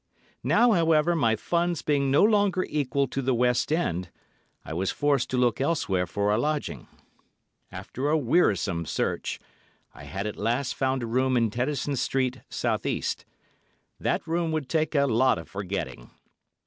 Now, however, my funds being no longer equal to the West End, I was forced to look elsewhere for a lodging. After a wearisome search, I at last found a room in Tennyson Street, S.E. That room will take a lot of forgetting.